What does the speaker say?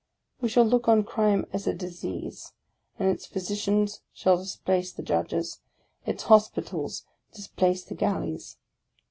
We shall look on crime as a disease, and its physicians shall displace the judges, its hospitals displace the Galleys.